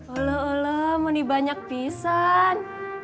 olah olah mau dibanyak pisan